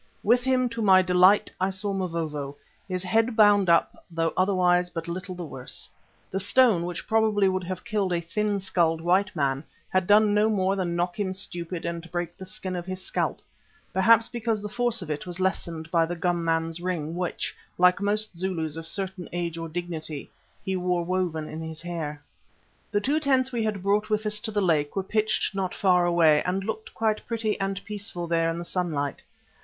With him, to my delight, I saw Mavovo, his head bound up, though otherwise but little the worse. The stone, which probably would have killed a thin skulled white man, had done no more than knock him stupid and break the skin of his scalp, perhaps because the force of it was lessened by the gum man's ring which, like most Zulus of a certain age or dignity, he wore woven in his hair. The two tents we had brought with us to the lake were pitched not far away and looked quite pretty and peaceful there in the sunlight.